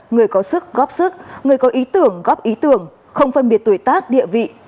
người có sức góp sức người có ý tưởng góp ý tưởng không phân biệt tuổi tác địa vị